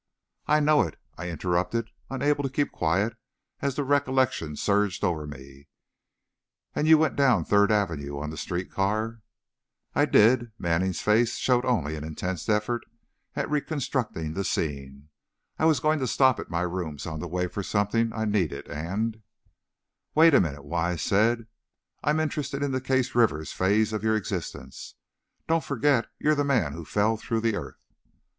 "I know it," I interrupted, unable to keep quiet, as the recollection surged over me, "and you went down Third Avenue on the street car " "I did," Manning's face showed only an intense effort at reconstructing the scene, "I was going to stop at my rooms on the way, for something I needed, and " "Wait a minute," Wise said, "I'm interested in the Case Rivers phase of your existence. Don't forget you're the Man Who Fell Through the Earth."